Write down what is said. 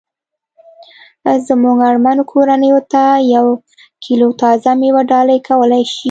زمونږ اړمنو کورنیوو ته یوه کیلو تازه میوه ډالۍ کولای شي